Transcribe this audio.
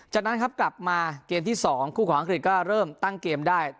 จากนั้นครับกลับมาเกมที่๒คู่ของอังกฤษก็เริ่มตั้งเกมได้